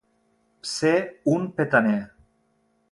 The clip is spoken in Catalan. Ser un petaner.